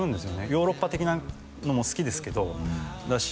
ヨーロッパ的なのも好きですけどだし